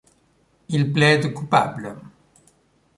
Il plaide coupable.